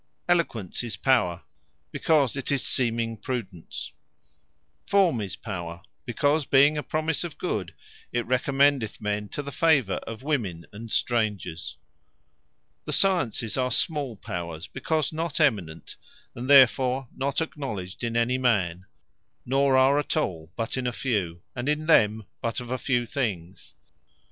Eloquence is Power; because it is seeming Prudence. Forme is Power; because being a promise of Good, it recommendeth men to the favour of women and strangers. The Sciences, are small Power; because not eminent; and therefore, not acknowledged in any man; nor are at all, but in a few; and in them, but of a few things.